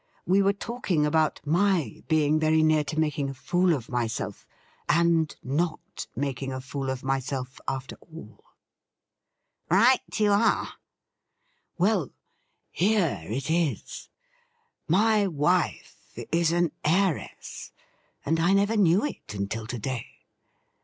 We were talking about my being very near to making a fool of myself, and not making a fool of myself, after all.' *THY KINDNESS FREEZES' 231 ' Right you are.' ' Well, here it is. My wife is an heiress, and I never knew it until to day.'